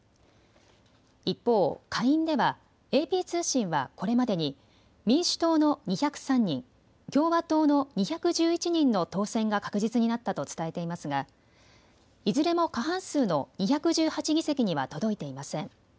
一方、下院ではＡＰ通信はこれまでに民主党の２０３人、共和党の２１１人の当選が確実になったと伝えていますがいずれも過半数の２１８議席には届いていません。